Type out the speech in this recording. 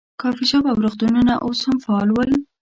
کافې شاپ او روغتونونه اوس هم فعال ول.